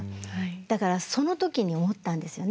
だからその時に思ったんですよね。